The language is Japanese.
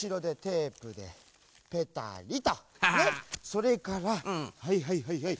それからはいはいはいはい。